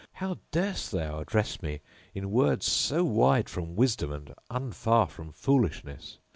How durst thou address me in words so wide from wisdom and un far from foolishness?